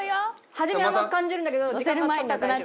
初め甘く感じるんだけど時間が経ったら大丈夫。